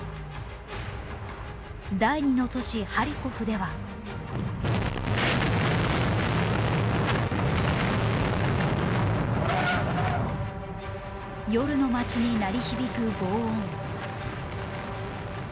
第２の都市、ハリコフでは夜の街に鳴り響くごう音。